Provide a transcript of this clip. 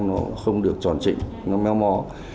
nó không được tròn trịnh nó meo mò